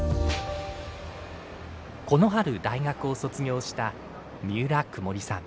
この春大学を卒業した三浦くもりさん。